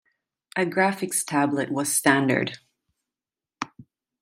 A graphics tablet was standard.